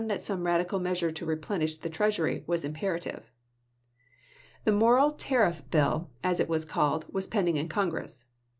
THE CONSTITUTIONAL AMENDMENT 243 some radical measure to replenish the treasury was imperative. The Morrill Tariff Bill, as it was called, was pending in Congress.